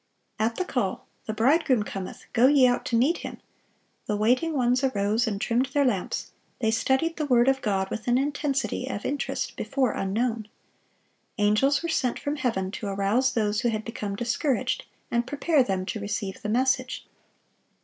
At the call, "The Bridegroom cometh; go ye out to meet Him," the waiting ones "arose and trimmed their lamps;" they studied the word of God with an intensity of interest before unknown. Angels were sent from heaven to arouse those who had become discouraged, and prepare them to receive the message.